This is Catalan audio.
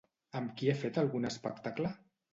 Amb qui ha fet algun espectacle?